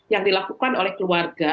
yang dilakukan oleh keluarga